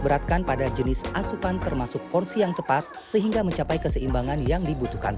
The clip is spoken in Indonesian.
beratkan pada jenis asupan termasuk porsi yang tepat sehingga mencapai keseimbangan yang dibutuhkan